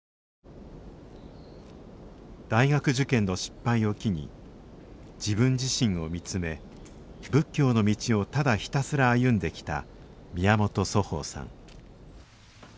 大学受験の失敗を機に自分自身を見つめ仏教の道をただひたすら歩んできた宮本祖豊さん